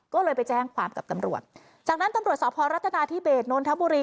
ก็เลยไปแจ้งความกับตำรวจจากนั้นตำรวจสพรัฐนาธิเบสนนทบุรี